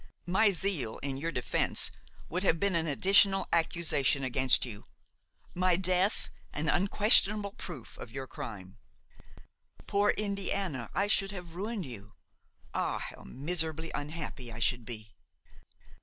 My zeal in your defence would have been an additional accusation against you; my death an unquestionable proof of your crime. Poor Indiana! I should have ruined you! Ah! how miserably unhappy I should be!